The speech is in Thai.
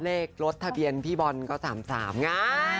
เลขรถทะเบียนพี่บอลก็๓๓ไง